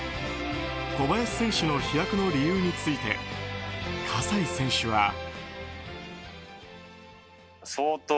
小林選手の飛躍の理由について葛西選手は。